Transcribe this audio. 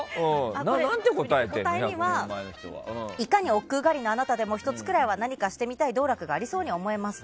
答えはいかに億劫がりのあなたでもひとつくらいは何かしてみたい道楽がありそうに思えます。